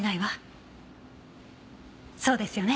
そうですよね？